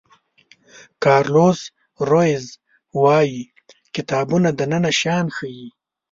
کارلوس رویز وایي کتابونه دننه شیان ښیي.